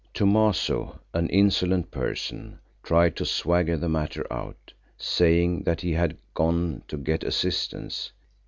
Thomaso, an insolent person, tried to swagger the matter out, saying that he had gone to get assistance.